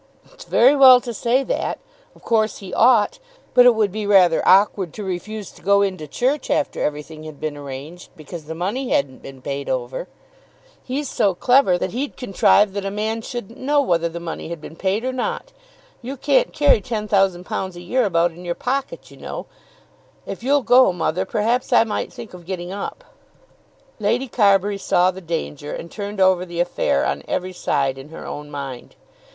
"It's very well to say that. Of course he ought; but it would be rather awkward to refuse to go into church after everything had been arranged because the money hadn't been paid over. He's so clever, that he'd contrive that a man shouldn't know whether the money had been paid or not. You can't carry £10,000 a year about in your pocket, you know. If you'll go, mother, perhaps I might think of getting up." Lady Carbury saw the danger, and turned over the affair on every side in her own mind.